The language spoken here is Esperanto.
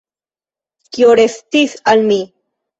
Kio restis al mi?